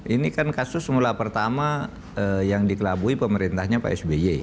ini kan kasus mula pertama yang dikelabui pemerintahnya pak sby